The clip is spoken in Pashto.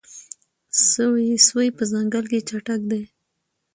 سوی په ځنګل کې چټک دی.